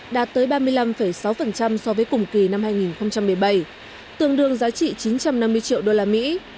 đạt tới ba mươi năm sáu so với cùng kỳ năm hai nghìn một mươi bảy tương đương giá trị chín trăm năm mươi triệu đô la mỹ